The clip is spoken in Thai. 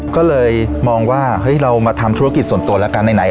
ก็เลยมองว่าเฮ้ยเรามาทำธุรกิจส่วนตัวแล้วกันไหน